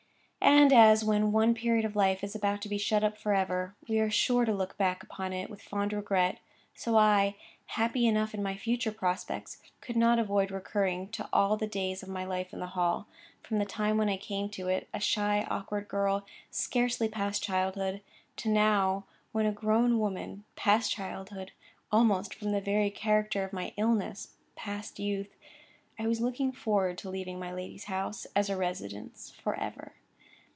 And as, when one period of life is about to be shut up for ever, we are sure to look back upon it with fond regret, so I, happy enough in my future prospects, could not avoid recurring to all the days of my life in the Hall, from the time when I came to it, a shy awkward girl, scarcely past childhood, to now, when a grown woman,—past childhood—almost, from the very character of my illness, past youth,—I was looking forward to leaving my lady's house (as a residence) for ever.